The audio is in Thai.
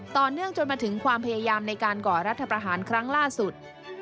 ต่อเนื่องจนมาถึงความพยายามในการก่อรัฐประหารครั้งล่าสุด